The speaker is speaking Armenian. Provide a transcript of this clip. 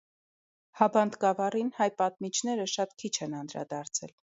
Հաբանդ գավառին հայ պատմիչները շատ քիչ են անդրադարձել։